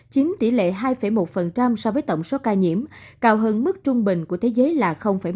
chiếm tỷ lệ hai một so với tổng số ca nhiễm cao hơn mức trung bình của thế giới là bảy